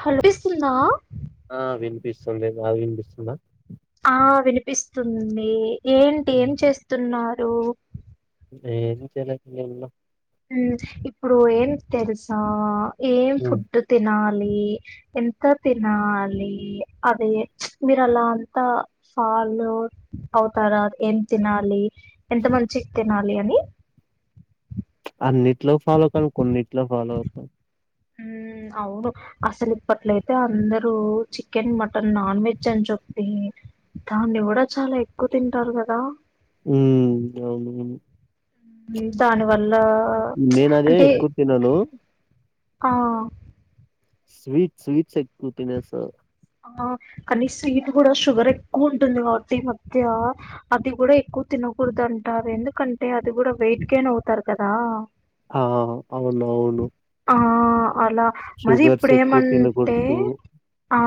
హల్ పిస్తున్నా [unintelligible] ఆ వినిపిస్తుంది నాది వినిపిస్తుందా ఆ వినిపిస్తుంది ఏంటి ఏం చేస్తున్నా రు నేను చెలకి ఉన్న ఉ ఇప్పుడు ఏం తెలుసా ఏం ఫుడ్ తినా లి ఎంత తినాలి అదే మీరు అలా అంత ఫాలో అవుతారా ఏం తినాలి ఎంత మంచి తిన్ నాలి అని అన్నిట్లో ఫాలో కాను కొన్నింట్లో ఫాలో అవుతా ఉ అవును అసలు ఇప్పట్లయితే అందరూ చికెన్ మటన్ నాన్ వెజ్ అని చెప్పి దాన్ని కూడా చాలా ఎక్కువ తింటారు కదా ఉ అవును ఉ దాని వల్ల నేను అదే అంటే ఎక్కువ తినను ఆ స్వీట్స్ స్వీట్స్ ఎక్కువ తినేస్తాను ఆ కనీ స్వీట్ కూడా షుగర్ ఎక్కువ ఉంటుంది కావట్టి మధ్య అది కూడా ఎక్కువ తినకూడదంటారు ఎందుకంటే అది కూడా వెయిట్ గెన్ అవుతారు కదా ఆ అవును అవును అల మరి ఇప్పుడేమంటే తినకూడదు ఆ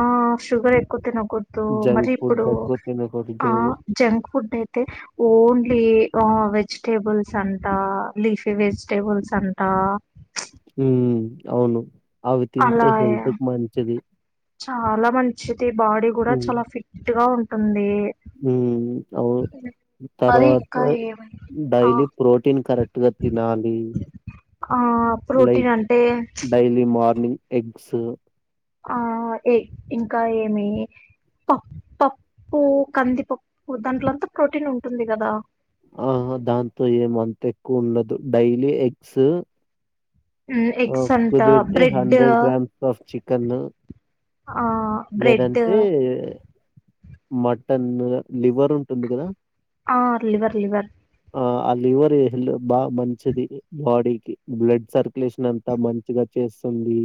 షుగర్ ఎక్కువ తిన కూడదు మరి జంక్ ఫుడ్ ఇప్పుడు ఎక్కువ ఆ తినకూడదు జంక్ ఫుడ్ అయితే ఓన్లీ ఆ వెజిటేబుల్స్ అంట లీఫీ వెజిటేబుల్స్ అంటా ఊ అవును అవి తింటే అలాయ్ హెల్త్ కి మంచిది చాలా మంచిది బాడీ కూడా చాలా ఫిట్ గా ఉం టుంది ఆ అవును మరి తర్వాత ఇంకా ఏమై ఆ డైలీ ప్రోటీన్ కరెక్ట్ తినాలి ఆ ప్రోటీన్ లైక్ అంటే డైలీ మార్నింగ్ ఎగ్ గ్స్ ఆ ఏ ఇంకా ఏమి ప పప్పు కందిపప్పు దాంట్లో అంతా ప్రోటీన్ ఉంటుంది కదా ఆ దాంతో ఏమంత ఎక్కువ ఉండదు డైలీ ఎగ్స్ ఉమ్, ఎగ్స్ అంట కుదిరితే bread hundred grams of chicken ఆ బ్రెడ్ లేదంటే మటన్ లివర్ ఉంటుంది కదా ఆ లివర్ లివర్ ఆ లివర్ లో బాగా మంచిది బాడీ కి బ్లడ్ సర్ లేషన్ అంతా మంచిగా చేస్తుంది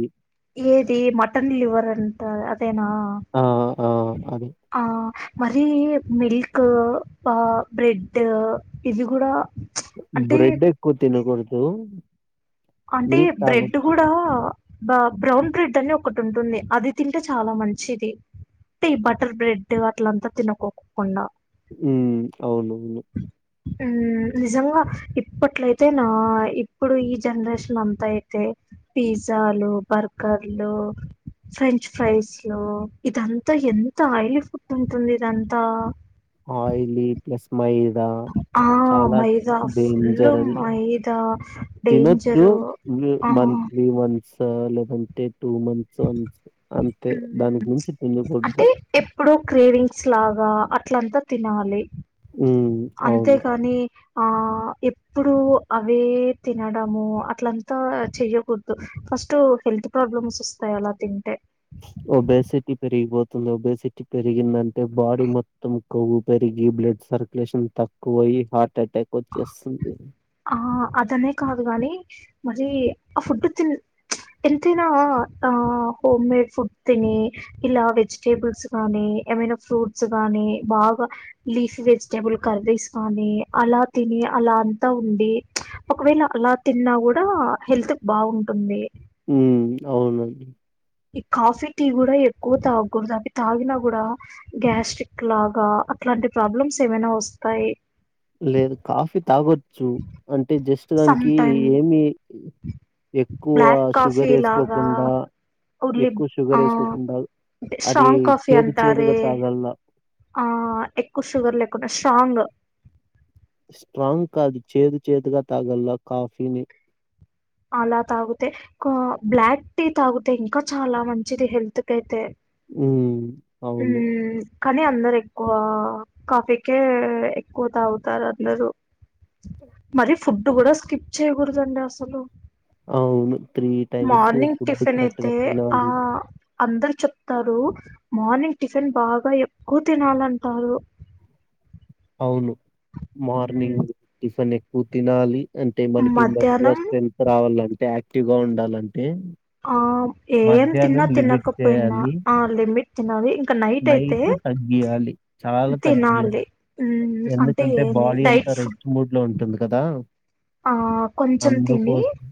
ఏది మటన్ లివర్ అంత అంతేనా ఆ ఆ అదే ఆ మరి మిల్క్ ఆ బ్రెడ్ ఇది కూడా అంటే బ్రెడ్ ఎక్కువగా తిన్నకూడదు అంటే బ్రెడ్ కూడా బ బ్రౌన్ బ్రెడ్ అని ఒకటి ఉంటుంది అది తింటే చాలా మంచిది అంటే ఈ బటర్ బ్రెడ్ అట్లంతా తినకోకుండా ఉమ్ అవునువును ఉ నిజంగా ఇప్పట్యితే నా ఇప్పుడు ఈ జనరేషన్ అంతా అయితే పిజ్జాలు బర్గర్లు ఫ్రెంచ్ ఫ్రైస్లు ఇదంతా ఎంత ఆయిలీ ఫుడ్ ఉంటుంది ఇదంతా ఆయిలీ ప్లస్ మై ఆ మైదా ఫుల్ డేంజర్ అది మైదా తినొచ్చు డేంజరు ఆ స లేదంటే టూ మంత్స్ వన్స్ అంతే ఉమ్, దానికి మించి అంటే తినకూడద్దు ఎప్పుడో క్రేవింగ్స్ లాగా అట్లంతా తినాలి ఉమ్ అవును అంతేకాని ఆ ఎప్పుడు అవే తినడము అట్లంతా చెయ్యకూడదు ఫస్ట్ హెల్త్ ప్రాబ్లమ్స్ వస్తాయి అలా తింటే ఒబేసిటీ పెరిగిపోతుంది ఒబేసిటీ పెరిగిందంటే బాడీ మొత్తం కొవ్వు పెరిగి బ్లడ్ సర్కులేషన్ తక్కువ అయ్యి హార్ట్ అటాక్ వచ్చేస్తుంది అర్థమే కాదు గాని మరి ఆ ఫుడ్ తి ఎంతైనా ఆ హోమ్ మేడ్ ఫుడ్ తిని ఇలా వెజిటేబుల్స్ గాని ఏమైనా ఫ్రూట్స్ గాని బాగా లీఫీ వెజిటేబుల్ కర్రీస్ కాగానీ అలా తిని అలా అంతా ఉండి ఒకవేళ అలా తిన్నా కూడా హెల్త్ బాగుంటుంది ఉమ్ అవునండి ఈ కాఫీ టీ కూడా ఎక్కువ తాగకూడదు అవి తాగినా కూడా గ్యాస్ట్రిక్ లాగా అట్లాంటి ప్రాబ్లమ్స్ ఏమైనా వస్తాయి లేదు కాఫీ తాగొ చు అంటే జస్ట్ సమ్ పచ్చడానికి టైమ్ ఏమి ఎక్కువ బ్లాక్ కాఫీ షుగర్ లాగా వేసుకోకుండా ఉర్లి ఎక్కువ షుగర్ ఆ వేసుకోకుండా అంటే అది స్ట్రాంగ్ కాఫీ చేదు అంటారె చేదుగా తాగల్ల ఆ ఎక్కువ షుగర్ లేకుండా స్ట్రాంగ్ స్ట్రాంగ్ కాదు చేదు చేదుగా తాగల్లా కాఫీని అలా తాగితే బ్లాక్ టీ తాగితే ఇంకా చాలా మంచిది హెల్త్ కి అయితే ఉ అవును కానీ అందరు ఎక్కువ కాఫీకే ఎక్కువ తాగుతారు అందరు మరి ఫుడ్ కూడా స్కిప్ చేయకూడదండి అసలు. అవును three times morning food tiffin correct అయితే గా ఆ తినాలి అందరు చెప్తారు మార్నింగ్ టిఫిన్ బాగా ఎక్కువ తినాలంటారు అవును మ్మ్. మార్నింగ్ టిఫిన్ తినాలి అంటే మనకి మ మధ్యాహ్నం స్ట్రెంత్ రావాలంటే యాక్టివ్ గా ఉండాలంటే ఆ ఏం మధ్యాహ్నం తిన్నా లిమిట్ తిన్నాకపోయిన్నా చేయాలి. ఆ లిమిట్ చిన్నది నైట్ తగ్గియాలి చాలా తగ్గియాలి తినాలి మ్మ్, అంటే ఎందుకంటే ఏమి బాడీ అంత డైట్ ఫుడ్ రెస్ట్ మూడ్ లో ఉంటుంది కదా ఆ కొంచం తిని అందుకోసం.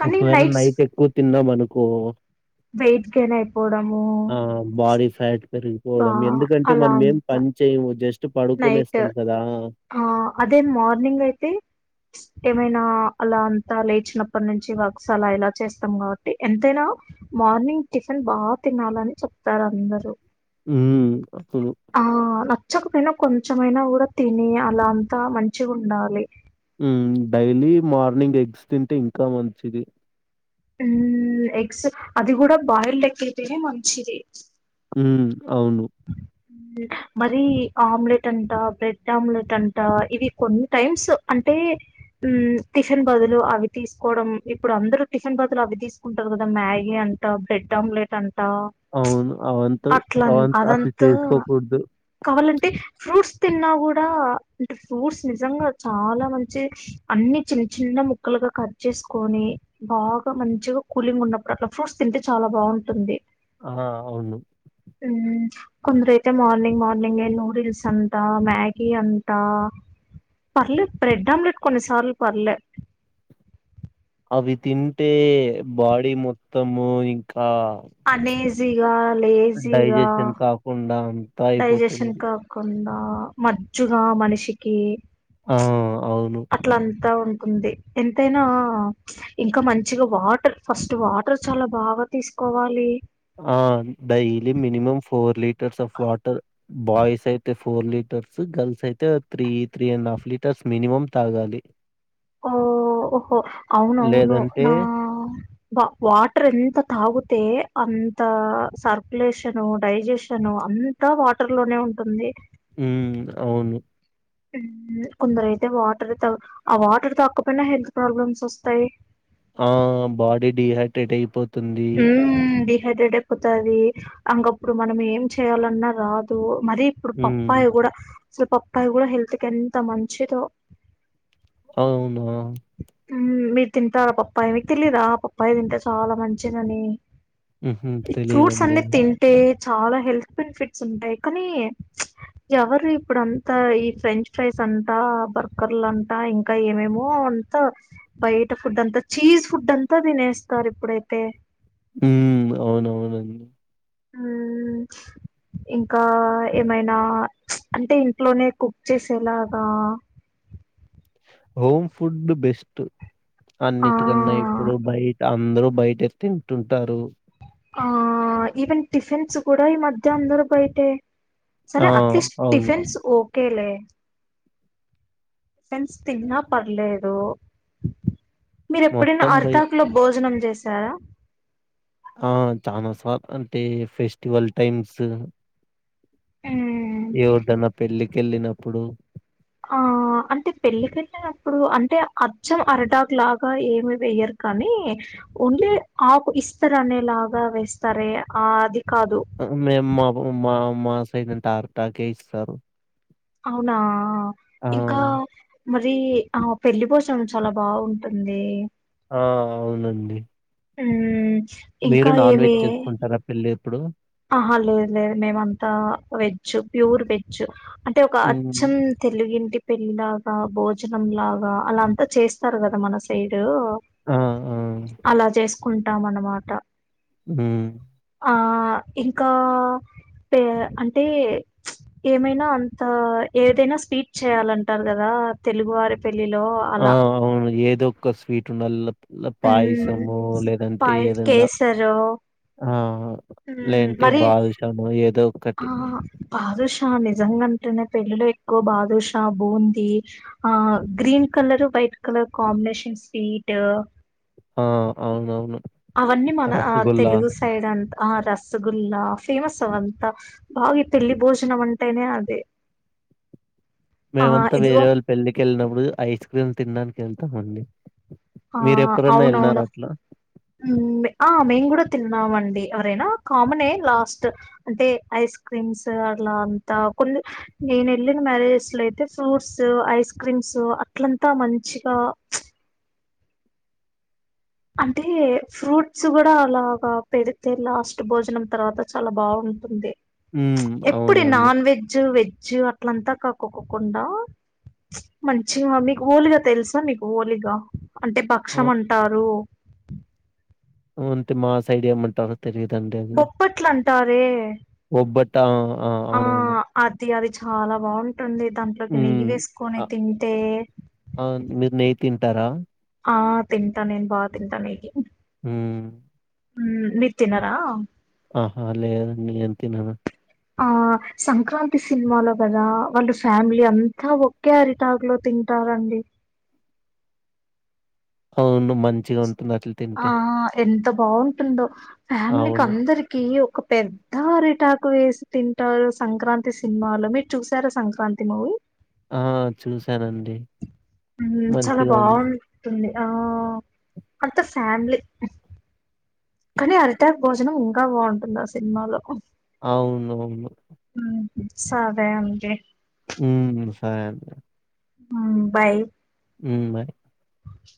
కానీ ఒకవేళ నైట్స్ నైట్ ఎక్కువ తిన్నాం అనుకో కో వెయిట్ గెయిన్ అయిపోవడము సైడ్ బా అలా అంత చేయము. జస్ట్ నైట్ పడుకునేస్తాం కదా! ఆ అదే మార్నింగ్ అయితే ఏమై అలా అంతా లేచినప్పటి నుంచి వర్క్స్ అలా ఇలా చేస్తాం కాబట్టి ఎంతైనా మార్నింగ్ టిఫిన్ బాగా తినాలని చెప్తారు అందరు. మ్మ్ ఆ నాక్ నచ్చకపోయినా కొంచెమైనా కూడా తిని అలా అంతా మంచిగుండాలి మ్మ్ డైలీ మార్నింగ్ ఎగ్స్ తింటే ఇంకా మంచిది మ్మ్ ఎగ్స్ అది కూడా బాయిల్ ఎగ్ ఐతేనే మంచిది మ్మ్ అవును మరి ఆమ్లెట్ అంట బ్రెడ్ ఆమ్లెట్ అంట ఇవి కొన్ని టైమ్స్ అంటే మ్మ్ టిఫిన్ బదులు అవి తీసుకోవడం ఇప్పుడు అందరు టిఫిన్ బదులు అవి తీసుకుంటారు కదా మ్యాగీ అంటా బ్రెడ్ ఆమ్లెట్ అంట అవును అవంత అట్లా అవంత అదంతా కావాలంటే ఫ్రూట్స్ తిన్నా కూడా అంటే ఫ్రూట్స్ నిజంగా చాలా మంచి అన్ని చిన్న చిన్న ముక్కలుగా కట్ చేసుకొని బాగా మంచిగా కూలింగ్ ఉన్నప్పుడు అట్లా ఫ్రూట్స్ తింటే చాలా బాగుంటుంది. ఆ అవును మ్మ్ కొందరైతే మార్నింగ్ మార్నింగే నూడిల్స్ అంతా మ్యాగీ అంతా పర్లేదు బ్రెడ్ ఆమ్లెట్ కొన్నిసార్లు పర్లే. అవి తింటే బాడీ మొత్తము ఇంకా ఆ జీగా డైజెషన్ కాకుండా అంతా డైజేషన్ అయిపోతుంది. కాకుండ ఆ మజ్జుగా మనిషికి ఆ! ప్చ్ అవును. అట్లా అంతా ఉం ఉంది ఎంతైనా ప్చ్ ఇంకా మంచిగా వాటర్ ఫస్ట్ వాటర్ చాలా బాగా తీసుకోవాలి. ఆ daily minimum four Lee టర్స్ of water boys అయితే ఫోర్ లీటర్స్ గర్ల్స్ అయితే three three and half litres minimum తాగాలి. ఓ ఓహో అవునవును లేదంటే నా బా వాటర్ ఎంత తాగుతే అంత సర్కులేషన్ డైజెషన్ అంతా వాటర్ లోనే ఉంటుంది. హ్మ్ అవును హ్మ్ కొందరు అయితే వాటర్ త ఆ వాటర్ తగకపోయినా హెల్త్ ప్రాబ్లమ్స్ వస్తాయి. ఆ బాడీ డిహైడ్రేట్ అయిపోత్ హ్మ్ హైడ్రేట్ ఎక్పోతది అంకప్పుడు మనం ఏం చెయాలన్నా రాదు. మరి ఇప్పుడు హ్మ్ పప్పాయ్ కూడా అసలు పప్పాయ్ కూడా హెల్త్కి ఎంత మంచిదో అవునా హ్మ్ మీరు తింటార ఆ పప్పాయి మీకు తెలీదా ఆ పప్పాయి తింటే చాలా మంచిదని. ఉహూ ఫ్రూట్స్ తెలీదండి అన్ని తింటే చాలా హెల్త్ బెనిఫిట్స్ ఉంటాయి కానీ ఎవరు ఇప్పుడు అంటా ఈ ఫ్రెంచ్ ఫ్రైస్ అంటా బర్గర్లు అంటా ఇంకా ఏమేమో త బయట ఫుడ్ అంతా చీజ్ ఫుడ్ అంతా తినేస్తారు ఇప్పుడైతే ఊ అవునవునం ఉ ఇంకా ఏమైనా అంటే ఇంట్లోనే కుక్ చేసేలాగా హోమ్ ఫుడ్ బెస్ట్ ఆ అన్నిటికన్న ఇప్పుడు బయట అందరూ బయటతింటుంటారు ఆ ఈవెన్ టిఫిన్స్ కూడా ఈ మధ్య అందరు బయటే సరే ఆ! అట్లిస్ట్ అవును టిఫెన్స్ ఓ కేలే ఫ్రెండ్స్ తిన్నా పర్లేదు మీరు ఎప్పుడైనా మొత్తం బయట అర్తాకులో భోజనం చేస్ చాలా ఆ చానా సార్ అంటే ఫెస్టివల్ టైమ్స్ మ్మ్. ఎవరిదన్న పెళ్లికి కెళ్ళినప్పుడు ఆ అంటే పెళ్లికెళ్ళినప్పుడు అంటే అచ్చం అరడాకు లాగా ఏమి వేయరు కానీ ఓన్లీ ఆకు ఇస్తరు అనే లాగా వేస్తారు ఆ అది కాదు మేమ్ మా మా మా సై ట ఆ టాకే ఇస్తారు అవునా ఆ ఇంకా మరి ఆ పెళ్లి భోజనం చాలా బాగుంటుంది ఆ అవునండి ఉమ్ మీరు నాన్వెజ్ చేసుకుంటారా పెళ్లి ప్పుడు ఆహా లేదు లేదు మేమంతా వెజ్ ప్యూర్ వెజ్ అంటే ఒక హ్మ్ అచ్చం తెలుగింటి పెళ్లిలాగా భోజనం లాగా అలా అంతా చేస్తారు కదా మన సైడు ఆ ఆ అలా చేస్ కుంటాం అనమాట ఉ ఆ ఇంకా పే అంటే ఏమైనా అంత ఏదైన స్వీట్ చేయాలంటారు కదా తెలుగు వారి పెళ్ళిలో అలా ఇదొక స్వీట్ ఉండల్ల మ్మ్ పాయసము లేదంటే పాయ ఏదన్నా కేసరు ఆ లేదంటే మరి బాదుషానో ఏదో ఒకటి ఆ బాదుష నిజంగా టున్న పెళ్ళిలో ఎక్కువ బాదుషా బూంది ఆ green colour white colour combination sweet ఆ అవునవును అవన్నీ మన ఆ రసగుల్లా తెలుగు సైడ్ అంత ఆ రస రసగుల్ల ఫేమస్ అవంతా బాగి పెళ్లి భోజనం అంటేనే అది మేమంతా వేరే వాళ్ళ పెళ్ళి కెళ్ళినప్పుడు ఐస్ క్రీమ్ తినడానికి కెళ్తం అండి ఆ అవునవును ఉ ఆ మేమూ కూడా తిన్నామండి ఎవరైనా కామనే లాస్ట్ అంటే ఐస్ క్రీమ్స్ అట్ల అంతా కొన్ని నేను ఎళ్ళిన మ్యారేజెస్ లో అయితే ఫ్రూట్స్ ఐస్ క్రీమ్స్ అట్లంతా మంచిగా అంటే ఫ్రూట్స్ కూడా అలాగా పెడితే లాస్ట్ భోజనం తర్వాత చాలా బాగుంటుంది హ్మ్ ఎప్పుడి అవునవును నాన్ వెెజ్ వె మంచిగా అట్లంతా కాకోకుకుండా మంచిగా మీకు ఓలిగా తెలుసా మీకు ఓలిగా అంటే ఓ భక్ష్యం అంటారు ఉ అంటే మా సైడ్ ఏమంటారో తెలీదండి అది. బొబ్బట్లు అంటారే ఒబ్బట్ట ఆ! ఆ అవునవును. అది అది చాలా బాగుం ఉంటుంది దాంట్లోకి నెయ్యి హ్మ్. వేసుకొని అ తింటే ఆ! మీరు నెయ్యి తింటారా ఆ తింటా నేను బా తింటాను ఇది ఉమ్ ఉమ్ మీరు తినరా ఆహా అ లేదండి నేను తిన ఆ సంక్రాంతి సినిమాలో కదా వాళ్ళు ఫ్యామిలీ అంతా ఒకే అరిటాగ లో తింటారండి అవును మంచిగా ఉంటు ఆ ఎంత బాగుంటుందో ఫ్యామిలీకి అవును. అందరికి ఒక పెద్ద అరిటాకు వేసి తింటారు సంక్రాంతి సినిమాలో మీరు చూసారా సంక్రాంతి మూవీ ఆ చూశానండి మ్మ్, చాలా మంచిగా ఉంది బాగుంటుంది ఆ మొత్తం ఫ్యామలీ కానీ అరిటాప్ భోజనం ఇంకా బాగుంటుంది ఆ సినిమాలో అవును అవును సరే అండి ఉమ్ సరే అం ఉమ్ బాయ్ ఉమ్ బాయ్ వ